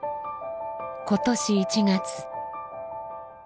今年１月。